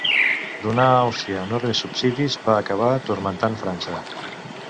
Donar a Àustria enormes subsidis va acabar turmentant França.